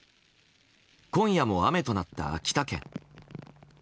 今夜も雨となった秋田県。